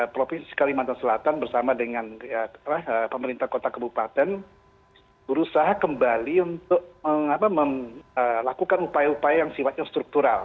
provinsi kalimantan selatan bersama dengan pemerintah kota kebupaten berusaha kembali untuk melakukan upaya upaya yang sifatnya struktural